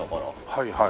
はいはい。